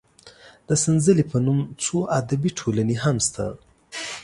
د سنځلې په نوم څو ادبي ټولنې هم شته.